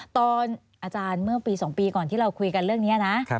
ตอนอาจารย์เมื่อปี๒ปีก่อนที่เราคุยกันเรื่องนี้นะ